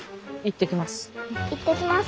行ってきます。